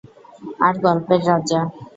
আর গল্পের রাজা।